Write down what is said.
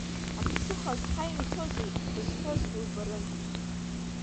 Аԥсыха зҳаимҭозеи, зҳәозгьы убарын.